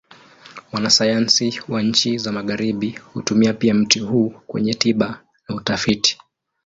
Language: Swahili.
Wanasayansi wa nchi za Magharibi hutumia pia mti huu kwenye tiba na utafiti.